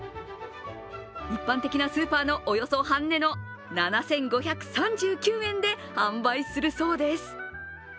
一般的なスーパーのおよそ半値の７５３９円で販売するそうです。